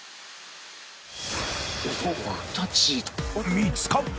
［見つかった］